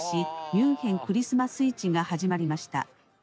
ミュンヘン・クリスマス市が始まりました」。